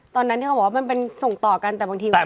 ตอนนั้นที่เขาบอกว่ามันเป็นส่งต่อกันแต่บางทีแบบ